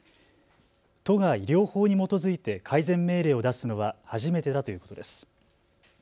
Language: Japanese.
都が医療法に基づいて改善命令を出すのは初めてだということです。